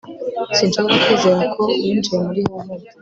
sinshobora kwizera ko winjiye muri harvard